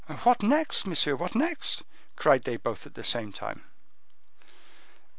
"What next? monsieur, what next?" cried they both at the same time.